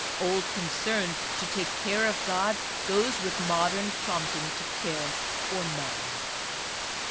Old concern to take care of God goes with modern prompting to care for man.